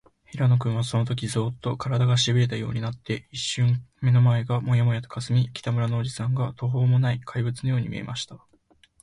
平野君は、そのとき、ゾーッと、からだが、しびれたようになって、いっしゅんかん目の前がモヤモヤとかすみ、北村のおじさんが、とほうもない怪物のように見えました。